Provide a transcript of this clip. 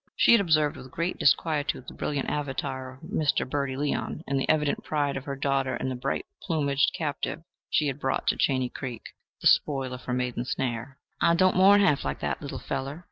She had observed with great disquietude the brilliant avatar of Mr. Bertie Leon and the evident pride of her daughter in the bright plumaged captive she had brought to Chaney Creek, the spoil of her maiden snare. "I don't more'n half like that little feller."